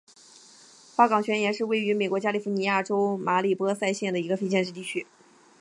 花岗岩泉是位于美国加利福尼亚州马里波萨县的一个非建制地区。